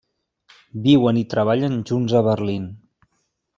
Viuen i treballen junts a Berlín.